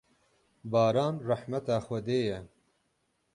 Baran rehmeta Xwedê ye.